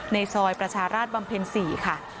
ในซอยประชาราชบำเพ็ญ๔ค่ะ